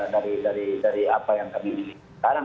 dari dari dari apa yang kami miliki sekarang